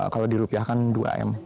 kalau dirupiahkan dua m